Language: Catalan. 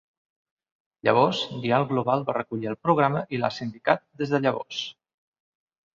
Llavors, Dial Global va recollir el programa i l'ha sindicat des de llavors.